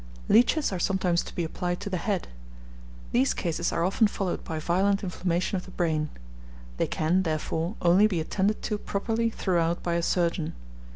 Leeches are sometimes to be applied to the head. These cases are often followed by violent inflammation of the brain. They can, therefore, only be attended to properly throughout by a surgeon.